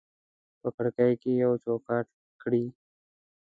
په کړکۍ کې یې چوکاټ کړي